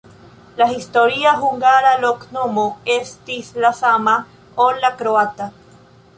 La historia hungara loknomo estis la sama, ol la kroata.